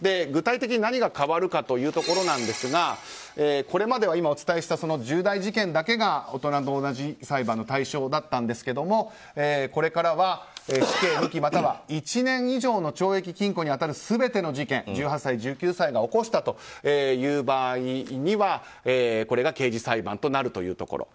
具体的に何が変わるかというとこれまでは今お伝えした重大事件だけが大人と同じ裁判の対象だったんですけどもこれからは死刑・無期、または１年以上の懲役・禁錮に当たる全ての事件１８歳、１９歳が起こしたという場合にはこれが刑事裁判となるというところ。